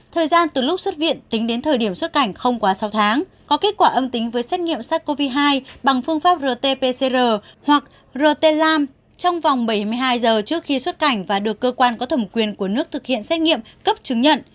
thời gian từ lúc xuất viện tính đến thời điểm xuất cảnh không quá sáu tháng có kết quả âm tính với xét nghiệm sars cov hai bằng phương pháp rt pcr hoặc rt lam trong vòng bảy mươi hai giờ trước khi xuất cảnh và được cơ quan có thẩm quyền của nước thực hiện xét nghiệm cấp chứng nhận